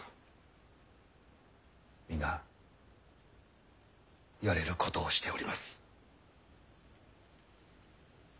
皆やれることをしております。